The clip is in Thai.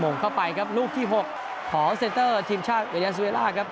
งเข้าไปครับลูกที่๖ของเซนเตอร์ทีมชาติเวยาซูเอล่าครับ